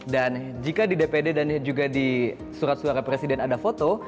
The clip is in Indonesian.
dan jika di dpd dan juga di surat suara presiden ada foto